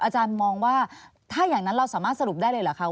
อาจารย์มองว่าถ้าอย่างนั้นเราสามารถสรุปได้เลยเหรอคะ